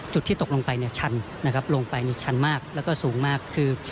จุดที่ตกลงไปเนี่ยชันนะครับลงไปชันมากแล้วก็สูงมากคือ